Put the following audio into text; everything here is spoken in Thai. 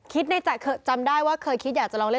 ในใจเคยจำได้ว่าเคยคิดอยากจะลองเล่น